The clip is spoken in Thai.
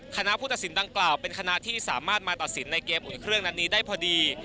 คณะผู้ตัดสินดังกล่าวเป็นคณะที่สามารถมาตัดสินในเกมอุ่นเครื่องนัดนี้ได้พอดี